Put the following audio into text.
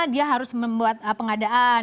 dia harus membuat pengadaan